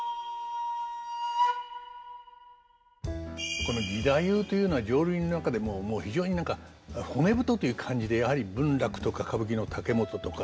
この義太夫というのは浄瑠璃の中でも非常に何か骨太という感じでやはり文楽とか歌舞伎の竹本とか男性のイメージ